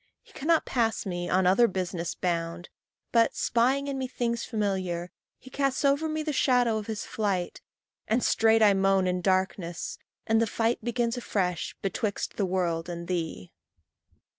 He cannot pass me, on other business bound, But, spying in me things familiar, he Casts over me the shadow of his flight, And straight I moan in darkness and the fight Begins afresh betwixt the world and thee.